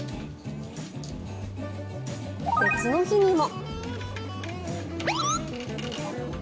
別の日にも。